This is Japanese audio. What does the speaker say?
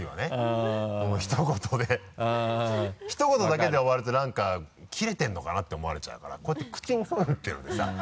ひと言だけで終わるとなんか「キレてるのかな？」って思われちゃうからこうやって口押さえるっていうのでさ。